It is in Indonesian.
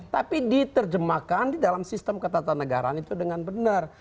jadi terjemahkan di dalam sistem ketatanegaraan itu dengan benar